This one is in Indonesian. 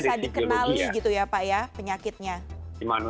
bisa dikenali gitu ya pak ya penyakitnya